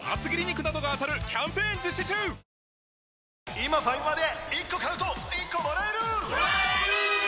今ファミマで１個買うと１個もらえるもらえるっ！！